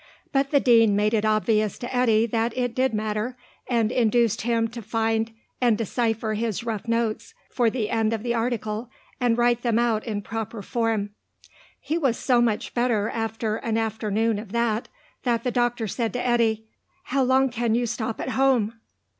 But the Dean made it obvious to Eddy that it did matter, and induced him to find and decipher his rough notes for the end of the article, and write them out in proper form. He was so much better after an afternoon of that that the doctor said to Eddy, "How long can you stop at home?"